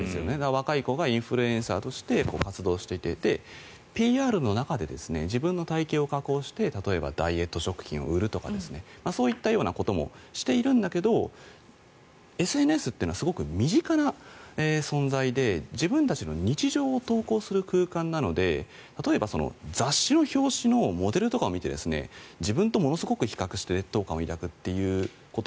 若い子がインフルエンサーとして活動していてＰＲの中で自分の体形を加工して例えばダイエット食品を売るとかそういったこともしているんだけどＳＮＳというのはすごく身近な存在で自分たちの日常を投稿する空間なので例えば雑誌の表紙のモデルとかを見て自分と、ものすごく比較して劣等感を抱くということ